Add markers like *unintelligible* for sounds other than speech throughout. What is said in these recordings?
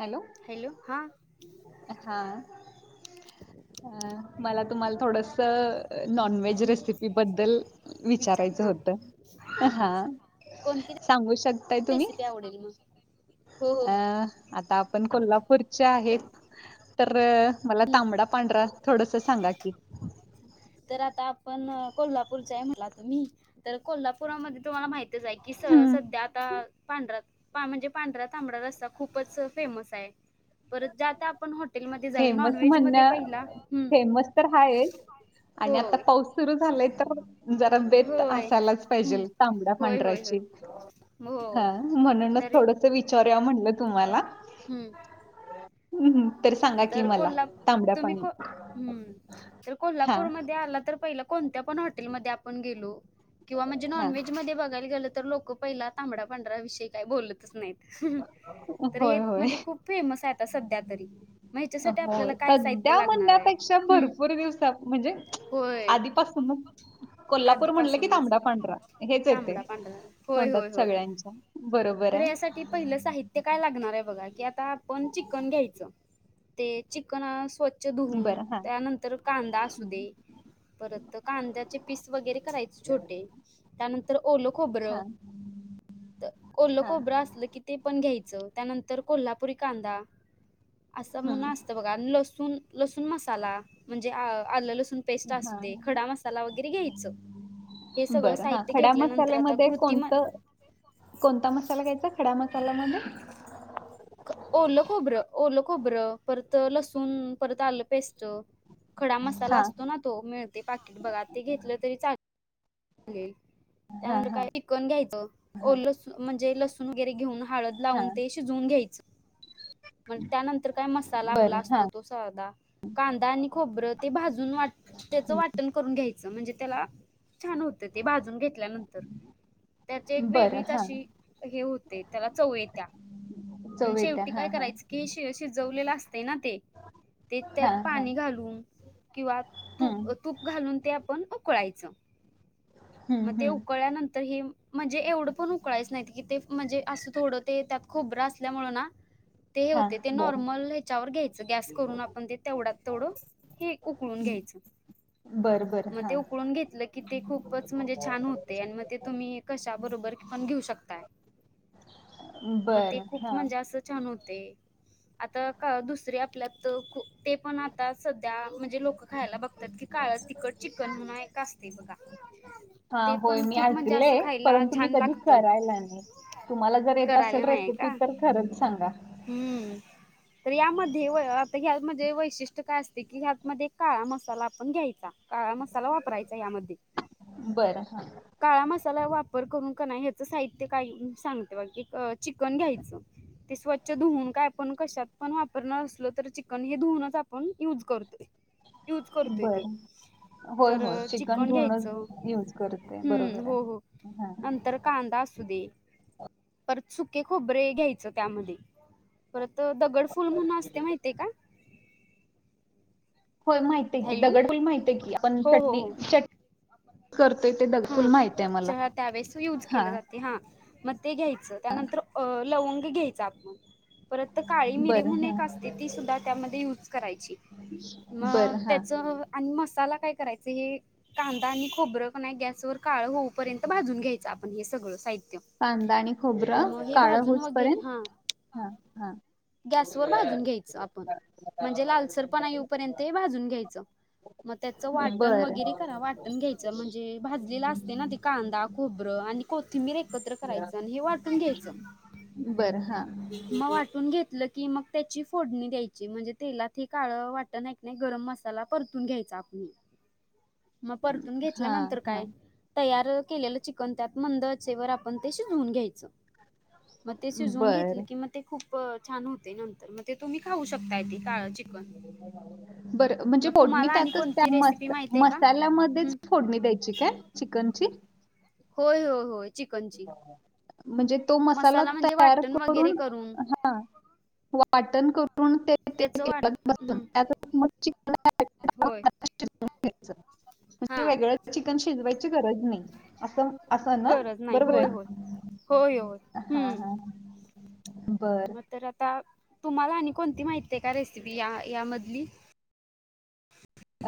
Hello हा *inaudible* मला तुम्हाला थोडस नॉन व्हेज हम्म रेसिपी बद्दल विचार विचारायचं हा होत होत. हा हा सांगू शकता सती आवडेल ना अं आता आपण कोल्हापूरचे आहेत तर मला तांबडा पांढरा थोडस सांगा की पण कोल्हापूर च आहे म्हटला तुम्ही तर कोल्हापुरामध्ये तुम्हाला माहितच आहे की स सध्या पांढर्या म्हणजे पांढऱ्या तांबडा रस्ता खूपच फेमस आहे परत ज आता आपण हॉटेलमध्ये जाईल फेमस नॉनव्हेज मध्ये म्हणण्या पहिला हम्म *inaudible* फेमस तर हायच आणि आता होय पाऊस सुरू झालाय तर जरा बेत होय असायलाच हम्म पाहिजे तांबड्या होय होय पांढऱ्याची होय हो हा म्हणूनच तरी थोडस विचारूया म्हटलं तुम्हाला हम्म हम् हम तर सांगा कि मला कोल्हा तांबड्या तुम्ही पाणी को हम्म तर हा कोल्हापूरमध्ये आला तर पहिला कोणत्या पण हॉटेल मध्ये आपण गेलो म्हणजे हां. नॉनव्हेज मध्ये बघायला गेल तर लोक पहिला तांबड्या पांढऱ्याविषयी काही बोलतच नाहीत तर हे होय, होय. म्हणजे खूप फेमस आहेता सध्या तरी मग ह्याच्यासाठी हो आपल्याला काय साहित्य सध्या लागणार आहे म्हण्यापेक्षा हम्म भरपूर दिवसा म्हणजे होय आधीपासूनच कोल्हापूर म्हटलं की आधीपासूनच तांबडा पांढरा हेच येतय तांबडा पांढरा होय होय तोंडात होय सगळ्यांच्या बरोब तर यासाटी पहिल साहित्य काय लागणारय बघा की आता आपण चिकन घ्यायच ते चिकन अस् स्वच्छ धुवून बरं हां, त्यानंतर कांदा असूदे परत कांद्याचे पीस वगैरे करायचे छोटे त्यानंतर ओलं खोबरं. *inaudible* तर ओलं हां. खोबरं असलं की ते पन घ्यायचं त्यानंतर कोल्हा पुरी कांदा असं म्हनून हं, असतं बघा लसून लसून मसाला. म्हंजे आ आलं लसून पेस्ट असते हां. खडा मसाला वगैरे घ्यायचं. हे सगळं बर हां साहित्य खड्या घेतल्यानंतर आता मसाल्यामध्ये कृती म कोन्त कोनता मसाला घ्यायचा खडा म साल्यामधे? क ओलं खोबरं ओलंखोबरं परत अ लसून परत आलं पेस्ट. खडा मसाला हां, असतोना तो मिळतय पाकिट बघा ते घेतलं तरी चाल लेल *unintelligible* त्यानंतर काय चिकन घ्यायचं ओल स म्हंजे लसून वगैरे घेऊन हळद लावून हां. ते शिजवून घ्यायचं. मगं त्यानंतर काय मसाला आपला बरं हां. असतो तो साधा., कांदा आणि खोबरं ते भाजून वाट तेचं वाटन करून घ्यायचं म्हंजे तेला छान होत ते भाजून घेतल्यानंतर त्याचे एक बरं वेगळीच हां. अशी हे हो त्याला चव येत्या अन् चव येत्या. शेवटी काय हां, हां. करायचंकी शि शिजवलेलं असतंयना ते. ते त्यात हां, हां. पाणी घालून किंवा तू हं. तूप घालून ते आपण उकळायच, *unintelligible* मते उकळल्यानंतर हे म्हंजे एवढं पण उकळायच नाइतकी ते म्हंजे असं थोडं ते त्यात खोबरं असल्यामुळंना तेहे हां. होतय ते बरं. नॉर्मल ह्याच्यावर घ्यायच गॅस करून आपण ते तेवढ्यात तेवढं हे उकळून घ्यायचं. *unintelligible* बरं. मगं ते हां. उकळून घेतलं की ते खूपच म्हंजे छान होतय आणि मगं ते तुम्ही कशाबरोबर पण घेऊ शकताय. मगं ते बरं. खूप हां. म्हंजे असं छान होते आता का दुसऱ्या आपल्यात खो ते पण आता स त्या म्हंजे लोकं खायला बघतात की काळ तिखट चिकनमूनाय एक असतयं बगा. ते हां. होय, पण मी खूप म्हंजे असं ऐकलंय, खायला परंतु मी छान कधी लागतं. करायला नाही. तुम्हाला जर येत असेल करायला नाह्ये रेसिपी का? तर खरंच सांगा. हम्म. तर यामध्ये वळवा आपला मध्ये वैशिष्ट काय असते की ह्यातमध्ये काळा मसाला आपण घ्यायचा काळा मसाला वाप चा यामध्ये बरं. हां. काळा मस साला वापर करून कानाइ ह्याच साहित्य काय मी सांगते बग अ चिकन घ्यायचं ते स्व च्छ धुन कायपण कशात पण वापरणार असलो तर चिकन हे धुनच आपण युज करतोय. यूज करतोयते बरं. होय, होय. तरं चिकन कन घ्यायच धुवूनच यूज करते. हं बरोबर आहे. हो हो हां. नंतर कांदा अस सुदे परत सुके खोबरे घ्यायच त्यामध्ये परत त दगड फुल म्हनून असतय माहितीये का? होय माहितय की हॅलो दगडफुल माहितकी आपन हो हो चटणी हो चट करतोय ते दगडफूल माहिती आहे मला. हा त्यावेेळेस युज केलं हां, जाते हा. मगं ते घ्यायचं हां. त्यानंतर अ लवंग घ्यायचं आपण परत काळी मिरी बरं. म्हणून हां. एक असते ती सुद्धा त्यामध्ये युज करायची. मगं बरं. हां. त्याच ह आन मसाला काय करायच हे कांदा आनी खोबरं कनाय गॅस स्वर काळ होऊपर्यंत भाजून घ्यायचं आपण हे सगळं साहि कांदा आणि खोबरं काळं हुस पर्यंत हा हा. गॅस वर भाजून घ्यायच आपण म्हणजे लालसरपणा येऊपर्यंत हे भाजून घ्यायचं मगं त्याचं वाटण बरं. वगैरे करा वाटण घ्यायचं म्हणजे भाजलेला अस ना ते कांदा खोबरं आणि कोथंबी करायच हे वाटून घ्यायच, बरं. हां. मगं वाटून घेतलं कि मगं त्याची फोडणी द्यायची म्हणजे तेलात काळं वाट नाही नाही गरम मसाला परतून घ्यायचा आपण मगं परतून घेतल्या हां, नंतर हां. काय तयार के चिकन त्यात मंद‌ आचेवर आपण ते शिजून घ्यायचं मगं ते शिजून घेतले बरं. की मगं ते खूप छान होते नंतर म ते तुम्ही खाऊ शकता य तेे काळं चिकन बर म्हणजे मग फोडणी तुम्हाला आणि त्यातच त्या कोणती म रेसिपी माहिती आहे का? मसाल्यामध्येच हम्म. फोडणी द्यायची काय चिकनची? होय होय होय चिकनची म्हणजे तो मसाला म्हणजे तयार वाटण वगैरे करून हा, वाटण करून ते ते... त्याच वाट हम्म आताज होय घ्याच हा म्हणजे वेगळं चिकन शिजवायची गरज नाही... अस असं ना... गरज नाही होय बरोबर आहे ना? होय होय होय हां, हम् हां. बरं. मग आता... तुम्हाला आणि कोणती माहिती का रेसिपी यामधली...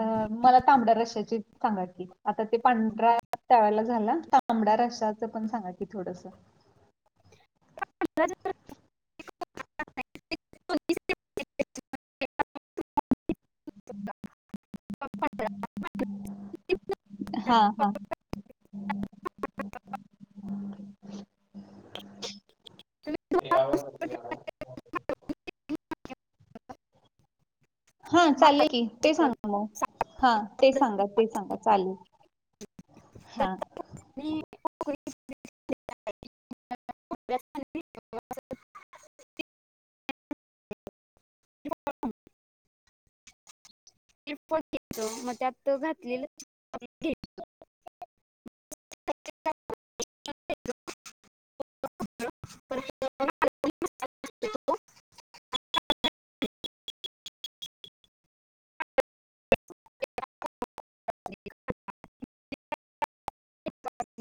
अ मला तांबड्या रस्साची सांगाी आता ते पांढरा त्यावेळेला झाला तांबड... रस्साच पण सांगा की थोडस... *unintelligible* *unintelligible* *unintelligible* हा हा.... *unintelligible* ते आव.. हा चालेल की ते चिकन सांगा मग हा ते सांगा ते सांगा चालेल... तर मी.. ह म आहे पणेत मग त्यात त घातले... ह *unintelligible* *unintelligible* *unintelligible*